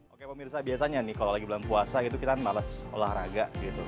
oke pemirsa biasanya nih kalau lagi bulan puasa itu kita males olahraga gitu